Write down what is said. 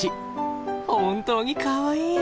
本当にかわいい！